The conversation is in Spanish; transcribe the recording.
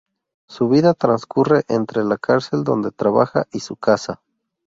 Su vida transcurre entre la cárcel donde trabaja y su casa.